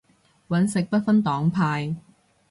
搵食不分黨派